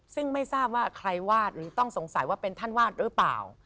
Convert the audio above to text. ซึ่งไม่ทราบว่าใครวาดหรือต้องสงสัยว่าเป็นท่านวาดหรือเปล่า